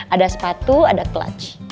ada sepatu ada clutch